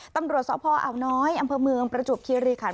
ตำรวจสพออาวน้อยอำเภอเมืองประจวบคิริขัน